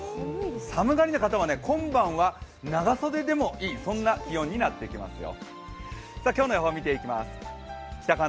寒がりな方は、今晩は長袖でもいい、そんな気温になってきますよ。